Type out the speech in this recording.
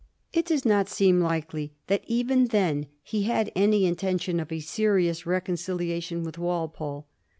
It does not seem likely that even then he had any inten ' tion of a serious reconciliation with Walpole.